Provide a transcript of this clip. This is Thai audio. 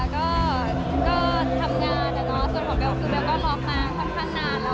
ส่วนผมก็ปั๊กมาตั้งชีวิตนานแล้ว